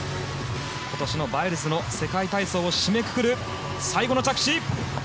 今年のバイルズの世界体操を締めくくる、最後の着地！